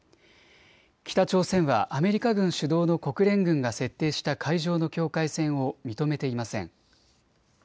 北朝鮮はアメリカ軍主導の国連軍が設定した海上の境界線を認めていません。